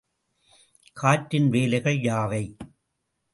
காற்றின் வேலைகள் யாவை?